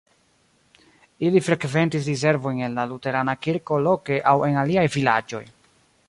Ili frekventis diservojn en la luterana kirko loke aŭ en aliaj vilaĝoj.